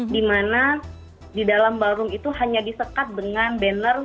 di mana di dalam ballroom itu hanya disekat dengan banner